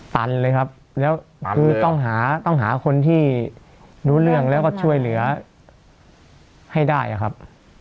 ตันเลยครับแล้วคือต้องหาต้องหาคนที่รู้เรื่องแล้วก็ช่วยเหลือให้ได้ครับ